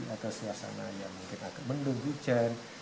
atau suasana yang mungkin agak mendung hujan